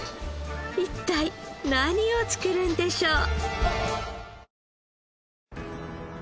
一体何を作るんでしょう？